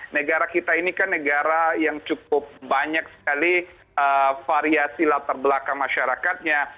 negara kita ini kan negara yang cukup banyak sekali variasi latar belakang masyarakatnya